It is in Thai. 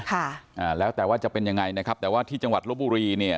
อ่าแล้วแต่ว่าจะเป็นยังไงนะครับแต่ว่าที่จังหวัดลบบุรีเนี่ย